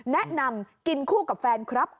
แนะนำกินคู่กับแฟนครับ